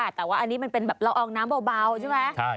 แต่ว่าอันนี้มันเป็นแบบละอองน้ำเบาใช่ไหม